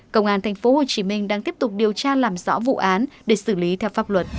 công an tp hcm đang tiếp tục điều tra làm rõ vụ án để xử lý theo pháp luật